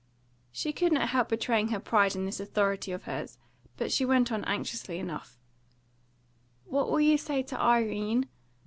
She could not help betraying her pride in this authority of hers, but she went on anxiously enough, "What will you say to Irene?